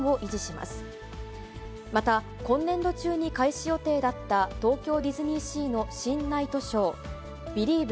また今年度中に開始予定だった東京ディズニーシーの新ナイトショー、ビリーヴ！